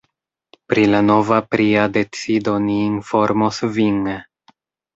Pri la nova pria decido ni informos vin.